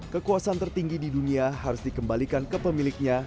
kekuasaan tertinggi di dunia harus dikembalikan ke pemiliknya